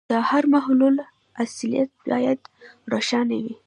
د هر محصول اصليت باید روښانه وي.